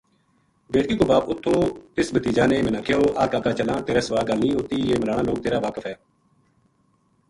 بیٹکی کو باپ اُت تھو اِس بھتیجا نے منا کہیو آ کاکا چلاں تیرے سو ا گل نہیہ ہوتی یہ ملاناں لوک تیر ا واقف ہے۔